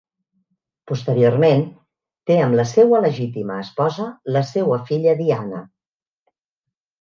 Posteriorment té amb la seua legítima esposa la seua filla Diana.